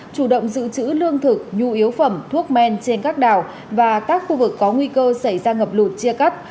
chủ động giữ chữ lương thực nhu yếu phẩm thuốc men trên các đảo và các khu vực có nguy cơ xảy ra ngập lụt chia cắt